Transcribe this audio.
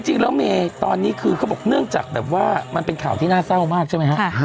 จริงแล้วเมย์ตอนนี้คือเขาบอกเนื่องจากแบบว่ามันเป็นข่าวที่น่าเศร้ามากใช่ไหมฮะ